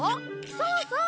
そうそう！